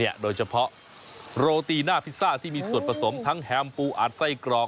โดยเฉพาะโรตีหน้าพิซซ่าที่มีส่วนผสมทั้งแฮมปูอัดไส้กรอก